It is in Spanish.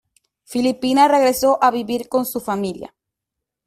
Filipina regresó a vivir con su familia.